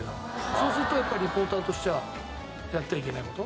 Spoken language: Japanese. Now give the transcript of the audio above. そうするとやっぱりリポーターとしてはやってはいけない事。